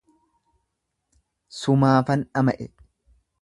Sumaafan dhama'e